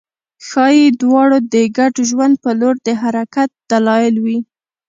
ښايي دواړه د ګډ ژوند په لور د حرکت دلایل وي